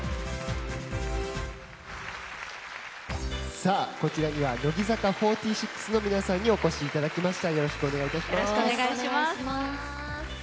さあ、こちらには乃木坂４６の皆さんにお越しいただきました。